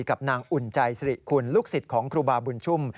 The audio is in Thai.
กับนางอุ่นใจสิริคุณลูกศิษย์ของครูบาบุญชุ่ม